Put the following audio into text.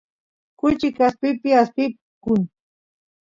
kuchi kaspipi aspiykun